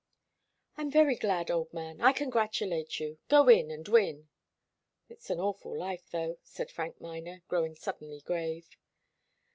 "I'm very glad, old man. I congratulate you. Go in and win." "It's an awful life, though," said Frank Miner, growing suddenly grave.